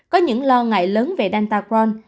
có những lo ngại lớn về delta crohn